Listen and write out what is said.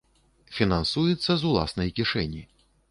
Фінансуецца з уласнай кішэні.